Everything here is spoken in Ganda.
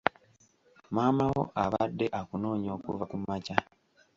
Maama wo abadde akunoonya okuva kumakya.